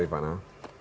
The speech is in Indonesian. selamat malam beri panah